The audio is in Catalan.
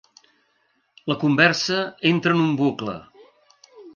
La conversa entra en un bucle.